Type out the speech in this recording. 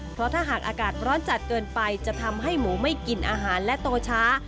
เพราะถ้าหากอากาศร้อนจัดเกินไปจะทำให้หมูไม่กินอาหารและโตช้า